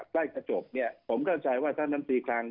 ใกล้กระจกเนี่ยผมเข้าใจว่าท่านน้ำตีคลัง